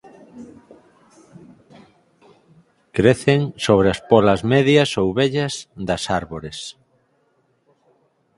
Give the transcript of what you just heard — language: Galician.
Crecen sobre as pólas medias ou vellas das árbores.